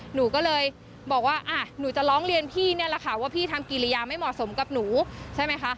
หนูก็เลยบอกว่าอ่ะหนูจะร้องเรียนพี่นี่แหละค่ะว่าพี่ทำกิริยาไม่เหมาะสมกับหนูใช่ไหมคะ